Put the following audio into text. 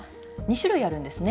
２種類あるんですね。